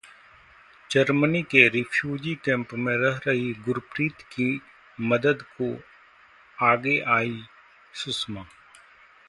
Germany की refugee camp में रह रही गुरप्रीत की मदद को आगे आईं सुषमा